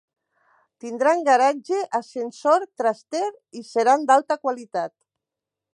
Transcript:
Tindran garatge, ascensor, traster, i seran d'alta qualitat.